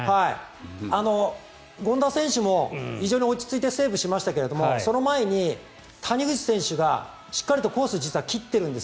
権田選手も非常に落ち着いてセーブしましたがその前に谷口選手がしっかりとコースを実は切っているんです。